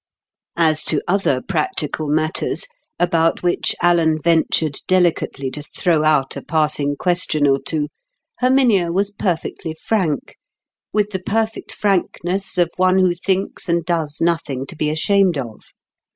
As to other practical matters, about which Alan ventured delicately to throw out a passing question or two, Herminia was perfectly frank, with the perfect frankness of one who thinks and does nothing to be ashamed of.